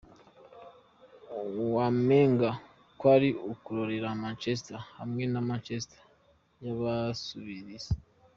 Wamenga kwari ukurorera Manchester hamwe na Manchester y'abasubirizi.